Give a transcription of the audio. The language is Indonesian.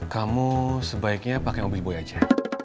kamu sebaiknya pakai mobil boy aja